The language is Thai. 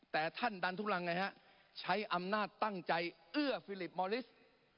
แต่ท่านดันทุกรังไงฮะใช้อำนาจตั้งใจเอื้อฟิลิปมอลิส